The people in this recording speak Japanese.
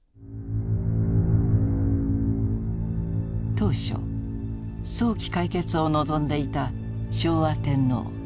当初早期解決を望んでいた昭和天皇。